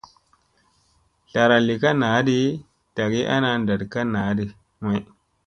Zlara li ka naa ɗi, dagi ana ndat ka naa ɗi may.